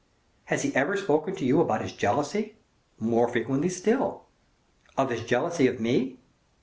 "Has he ever spoken to you about his jealousy?" "More frequently still." "Of his jealousy of me?"